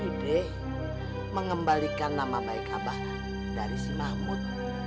ide mengembalikan nama baik abah dari si mahmud